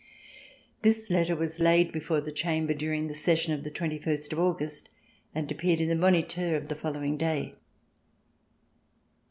This letter was laid before the Chamber during the session of the twenty first of August and appeared in the Moniteur" the following day.